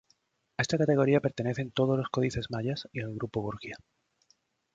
A esta categoría pertenecen todos los códices mayas y el grupo Borgia.